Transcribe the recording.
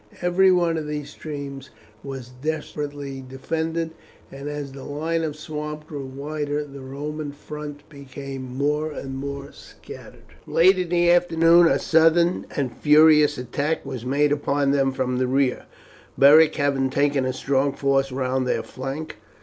Every one of these streams was desperately defended, and as the line of swamp grew wider the Roman front became more and more scattered. Late in the afternoon a sudden and furious attack was made upon them from the rear, Beric having taken a strong force round their flank.